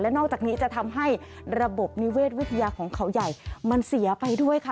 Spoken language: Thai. นอกจากนี้จะทำให้ระบบนิเวศวิทยาของเขาใหญ่มันเสียไปด้วยค่ะ